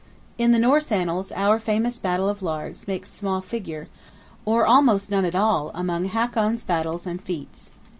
In the Norse annals our famous Battle of Largs makes small figure, or almost none at all among Hakon's battles and feats.